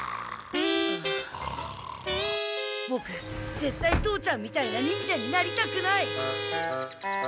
ボクぜったい父ちゃんみたいな忍者になりたくない。